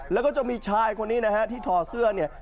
แล้วก็จะมีชายคนนี้นะฮะที่ถอดเสื้อเนี่ย